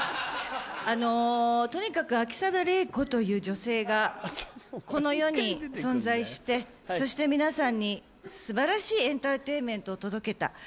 あのとにかく秋定麗子という女性がこの世に存在してそして皆さんに素晴らしいエンターテインメントを届けた。